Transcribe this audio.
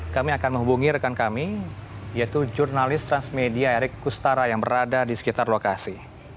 kami akan menghubungi rekan kami yaitu jurnalis transmedia erik kustara yang berada di sekitar lokasi